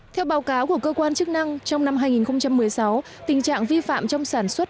theo báo cáo của cơ quan chức năng trong năm hai nghìn một mươi sáu tình trạng vi phạm trong sản xuất